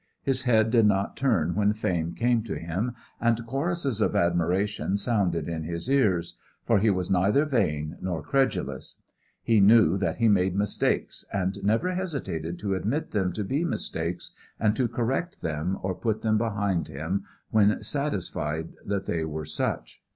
His head did not turn when fame came to him and choruses of admiration sounded in his ears, for he was neither vain nor credulous. He knew that he made mistakes, and never hesitated to admit them to be mistakes and to correct them or put them behind him when satisfied that they were such.